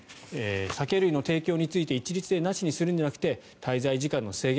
酒類の提供について一律でなしにするんじゃなくて滞在時間の制限